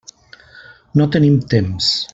No tenim temps.